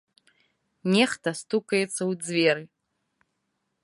Нехта стукаецца ў дзверы.